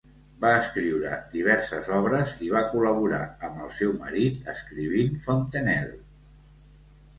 Va escriure diverses obres i va col·laborar amb el seu marit escrivint "Fontenelle".